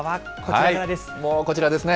もうこちらですね。